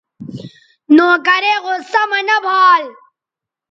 نوکرے غصہ مہ نہ بھال